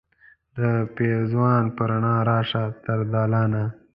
د پیزوان په روڼا راشه تر دالانه